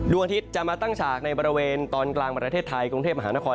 อาทิตย์จะมาตั้งฉากในบริเวณตอนกลางประเทศไทยกรุงเทพมหานคร